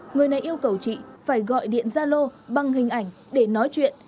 người này yêu cầu chị phải gọi điện zalo bằng hình ảnh để nói chuyện